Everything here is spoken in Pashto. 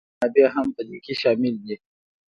بشري منابع هم په دې کې شامل دي.